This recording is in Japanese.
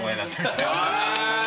え！